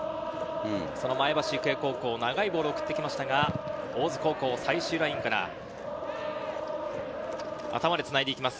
その前橋育英高校、長いボールを送ってきましたが、大津高校、最終ラインから頭でつないでいきます。